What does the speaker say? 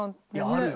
あるよ。